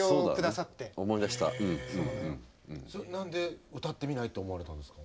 何で「歌ってみない？」って思われたんですか？